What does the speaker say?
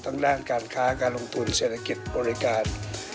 ด้านการค้าการลงทุนเศรษฐกิจบริการ